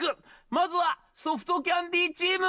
まずはソフトキャンデーチーム！」